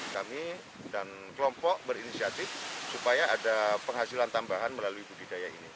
kami dan kelompok berinisiatif supaya ada penghasilan tambahan melalui budidaya ini